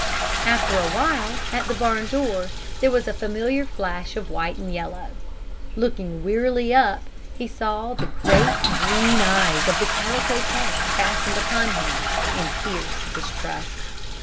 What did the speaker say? After a while, at the barn door there was a familiar flash of white and yellow. Looking wearily up he saw the great, green eyes of the Calico Cat fastened upon him in fierce distrust.